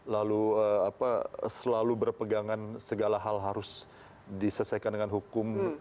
lalu selalu berpegangan segala hal harus diselesaikan dengan hukum